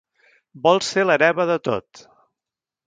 Vol ser l'hereva de tot.